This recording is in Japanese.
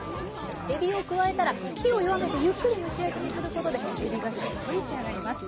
えびを加えたら火を弱めてゆっくり蒸し焼きにすることでえびがしっとり仕上がります。